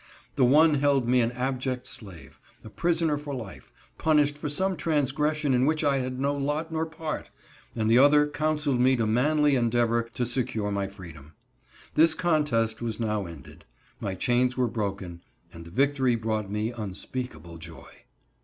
The one held me an abject slave—a prisoner for life, punished for some transgression in which I had no lot nor part; and the other counseled me to manly endeavor to secure my freedom. This contest was now ended; my chains were broken, and the victory brought me unspeakable joy.